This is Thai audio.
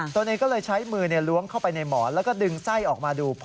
ตัวเองก็เลยใช้มือล้วงเข้าไปในหมอนแล้วก็ดึงไส้ออกมาดู